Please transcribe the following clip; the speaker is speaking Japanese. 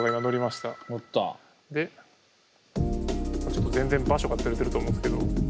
ちょっと全然場所がズレてると思うんですけど。